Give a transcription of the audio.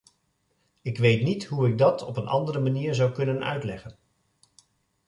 Ik weet niet hoe ik dat op een andere manier zou kunnen uitleggen.